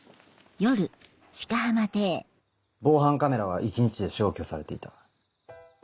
防犯カメラは１日で消去されていた。